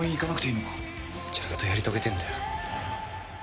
ちゃんとやり遂げてえんだよ。